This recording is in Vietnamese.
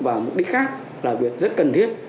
vào mục đích khác là việc rất cần thiết